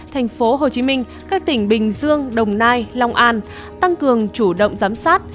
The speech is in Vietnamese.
thành phố hồ chí minh các tỉnh bình dương đồng nai long an tăng cường chủ động giám sát